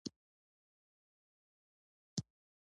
تخیلي ځواک په عواطفو ژور اغېز کوي.